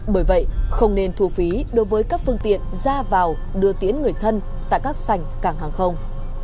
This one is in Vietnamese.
bởi vậy không nên thu phí đối với các phương tiện ra vào đưa tiến người thân tại các sành càng hàng không